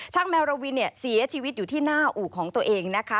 ช่างแมวรวินเสียชีวิตอยู่ที่หน้าอู่ของตัวเองนะคะ